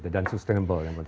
dan sustainable yang penting